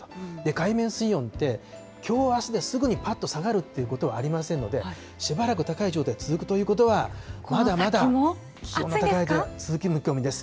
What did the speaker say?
海面水温って、きょうあすですぐにぱっと下がるっていうことはありませんので、しばらく高い状態続くということは、まだまだ気温の高い日が続く見込みです。